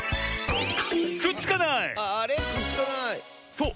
そう。